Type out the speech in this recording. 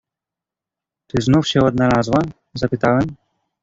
"„Czy znów się odnalazła?“ zapytałem."